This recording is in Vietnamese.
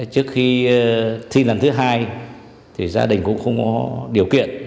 trước khi thi lần thứ hai thì gia đình cũng không có điều kiện